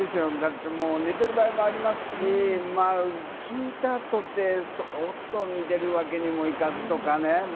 寝てる場合もありますし、聞いたとて外に出るわけにもいかずとかね。